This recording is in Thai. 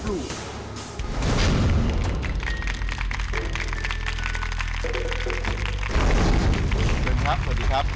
สวัสดีครับ